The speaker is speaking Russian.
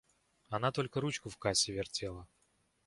Она только ручку в кассе вертела.